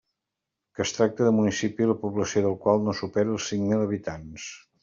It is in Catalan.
Que es tracte de municipi la població del qual no supere els cinc mil habitants.